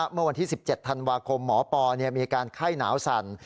เมื่อวันที่๑๗ธันวาคมหมอปอมีอาการไข้หนาวสั่น